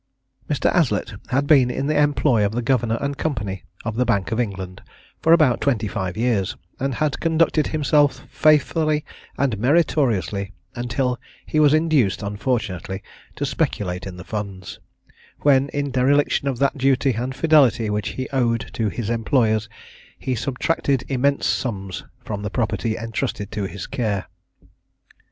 Mr. Aslett had been in the employ of the Governor and Company of the Bank of England for about twenty five years, and had conducted himself faithfully and meritoriously until he was induced, unfortunately, to speculate in the funds; when, in dereliction of that duty and fidelity which he owed to his employers, he subtracted immense sums from the property entrusted to his care.